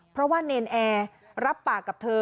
เพราะว่าเนรนแอร์รับปากกับเธอ